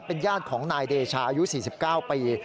เป็นญาติของนายเดชาอายุ๔๙ปี